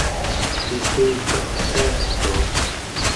tuqucarpiartua